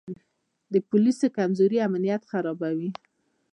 د پولیسو کمزوري امنیت خرابوي.